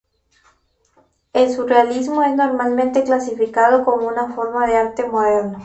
El Surrealismo es normalmente clasificado como una forma de arte moderno.